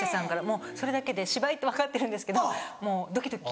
もうそれだけで芝居って分かってるんですけどもうドキドキ。